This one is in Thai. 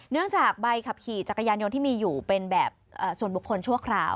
จากใบขับขี่จักรยานยนต์ที่มีอยู่เป็นแบบส่วนบุคคลชั่วคราว